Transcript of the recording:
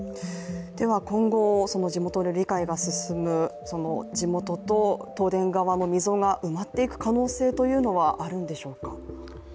今後、地元の理解が進む、地元と東電側の溝が埋まっていく可能性というのはあるんでしょうか。